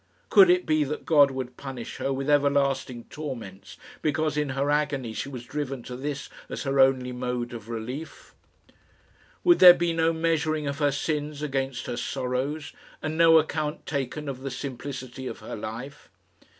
Could it be that God would punish her with everlasting torments because in her agony she was driven to this as her only mode of relief? Would there be no measuring of her sins against her sorrows, and no account taken of the simplicity of her life?